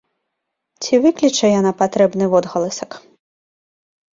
Ці выкліча яна патрэбны водгаласак?